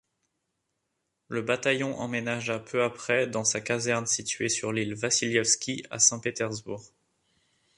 Le bataillon emménagea peu après dans sa caserne située sur l’île Vassilievski à Saint-Pétersbourg.